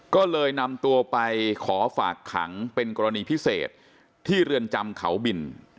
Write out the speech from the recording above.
ก็เลยนำตัวไปขอฝากขังเป็นกรณีพิเศษที่เรือนจำเขาบิน